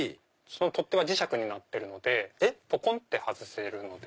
取っ手は磁石になってるのでぽこんって外せるので。